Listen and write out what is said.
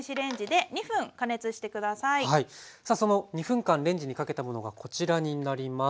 その２分間レンジにかけたものがこちらになります。